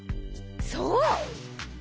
そう！